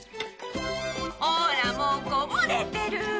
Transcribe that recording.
ほらもうこぼれてる！